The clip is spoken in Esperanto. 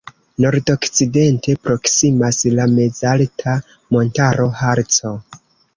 Nordokcidente proksimas la mezalta montaro Harco.